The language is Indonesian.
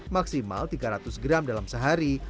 maksimal tiga ratus gram dalam sehari